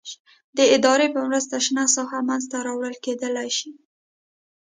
د ادارې په مرسته شنه ساحه منځته راوړل کېدلای شي.